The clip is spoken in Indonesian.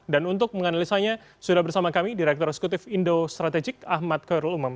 dan untuk menganalisanya sudah bersama kami direktur eksekutif indo strategik ahmad koyerul umam